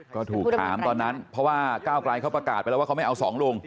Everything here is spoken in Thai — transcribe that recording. ก็ถูกถามตอนนั้นเพราะว่าก้าวกลายเขาประกาศไปแล้วว่าเขาไม่เอาสองลุง